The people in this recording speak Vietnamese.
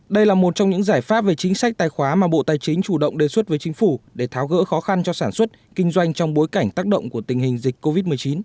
đây là một trong những giải pháp về chính sách tài khoá mà bộ tài chính chủ động đề xuất với chính phủ để tháo gỡ khó khăn cho sản xuất kinh doanh trong bối cảnh tác động của tình hình dịch covid một mươi chín